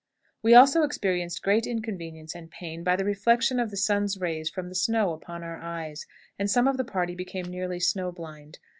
We also experienced great inconvenience and pain by the reflection of the sun's rays from the snow upon our eyes, and some of the party became nearly snow blind.